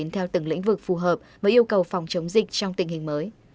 theo từng lĩnh vực phù hợp với yêu cầu phòng chống dịch trong tình hình mới